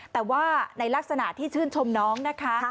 แต่ว่าในลักษณะที่ชื่นชมน้องนะคะ